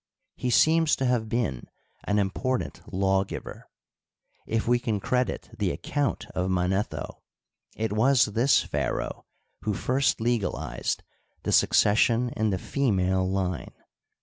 He seems to have been syi important lawgiver. If we can credit the account of Manetho, it was this pharaoh who first legalized the succession in the female line.